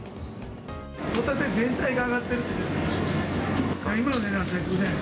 ホタテ全体が上がっているという印象ですね。